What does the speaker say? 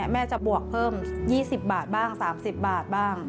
แม่จะบวกเพิ่ม๒๐บาทบ้าง๓๐บาทบ้าง